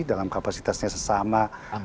dalam kapasitasnya sesama